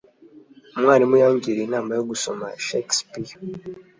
Umwarimu yangiriye inama yo gusoma Shakespeare